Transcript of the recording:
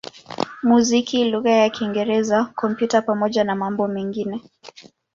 muziki lugha ya Kiingereza, Kompyuta pamoja na mambo mengine.